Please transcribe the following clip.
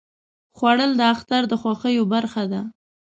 خوړل د اختر د خوښیو برخه ده